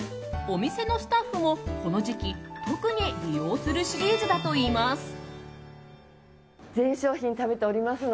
お店のスタッフも、この時期特に利用するシリーズだといいます。